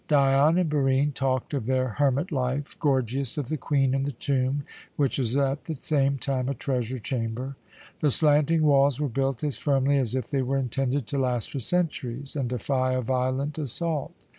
Dion and Barine talked of their hermit life, Gorgias of the Queen and the tomb, which was at the same time a treasure chamber. The slanting walls were built as firmly as if they were intended to last for centuries and defy a violent assault.